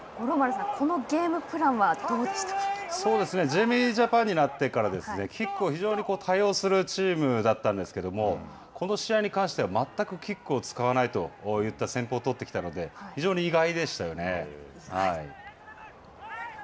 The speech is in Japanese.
ジェイミージャパンになってからキックを非常に多用するチームだったんですけども、この試合に関しては全くキックを使わないといった戦法を取ってきたので、非常に意外でしたよね。